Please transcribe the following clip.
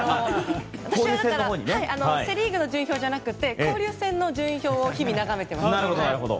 私はセ・リーグの順位表じゃなくて交流戦の順位表を日々眺めています。